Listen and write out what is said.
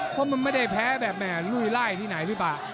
เพราะมันไม่ได้แพ้แบบแห่ลุยไล่ที่ไหนพี่ป่า